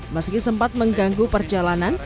meski sempat mengganggu perjalanan